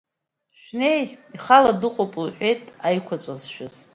Шәнеи, ихала дыҟоуп, — лҳәеит аиқәаҵәа зшәыз.